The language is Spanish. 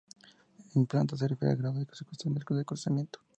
En plantas, se refiere al grado y circunstancias de cruzamiento.